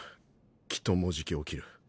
きっともうじき起きる。